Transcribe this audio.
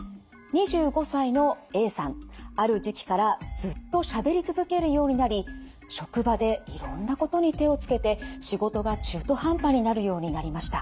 ２５歳のＡさんある時期からずっとしゃべり続けるようになり職場でいろんなことに手をつけて仕事が中途半端になるようになりました。